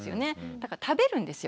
だから食べるんですよ。